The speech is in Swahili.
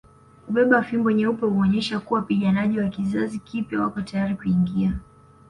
Kubeba fimbo nyeupe huonyesha kuwa wapiganaji wa kizazi kipya wako tayari kuingia